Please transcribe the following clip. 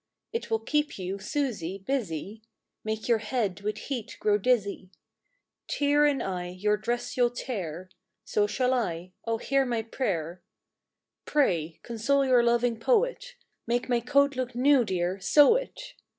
It will keep you, Susy, busy, Make your head with heat grow dizzy; Tear in eye your dress you'll tear. So shall I! Oh, hear my prayer, Pray, console your loving poet, Make my coat look new, dear, sew it?